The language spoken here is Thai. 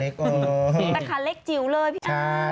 โอ้โฮนะ